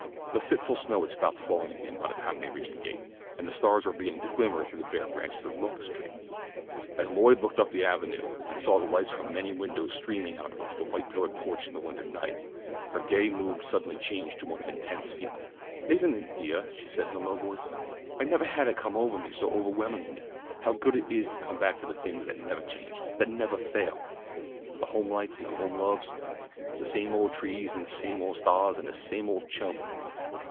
The fitful snow had stopped falling again by the time they reached the gate, and the stars were beginning to glimmer through the bare branches of the locust trees. As Lloyd looked up the avenue, and saw the lights from many windows streaming out across the white pillared porch into the winter night, her gay mood suddenly changed to one of intense feeling. "Isn't it deah?" she said in a low voice. "I nevah had it come ovah me so overwhelmingly, how good it is to come back to the things that nevah change that nevah fail! The home lights and the home loves, the same old trees and the same old sta'hs and the same old chum!"